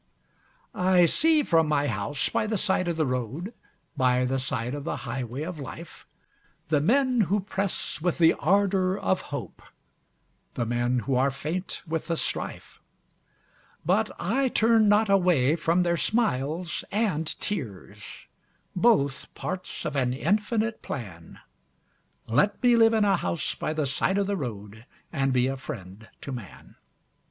I see from my house by the side of the road By the side of the highway of life, The men who press with the ardor of hope, The men who are faint with the strife, But I turn not away from their smiles and tears, Both parts of an infinite plan Let me live in a house by the side of the road And be a friend to man.